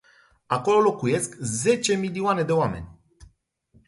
Acolo locuiesc zece milioane de oameni.